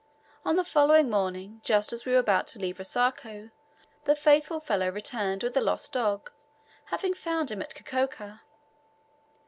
On the following morning, just as we were about to leave Rosako, the faithful fellow returned with the lost dog, having found him at Kikoka.